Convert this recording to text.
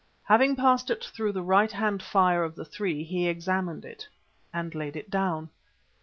Having passed it through the right hand fire of the three, he examined it and laid it down.